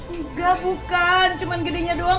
enggak bukan cuma gedenya doang